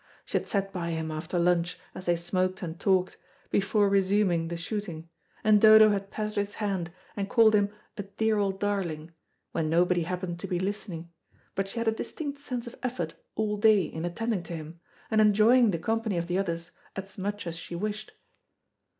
She had sat by him after lunch, as they smoked and talked, before resuming the shooting, and Dodo had patted his hand and called him a "dear old darling" when nobody happened to be listening, but she had a distinct sense of effort all day in attending to him, and enjoying the company of the others as much as she wished.